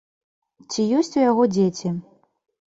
Ці ёсць у яго дзеці?